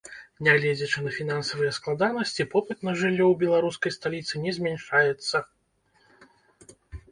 Нягледзячы на фінансавыя складанасці, попыт на жыллё ў беларускай сталіцы не змяншаецца.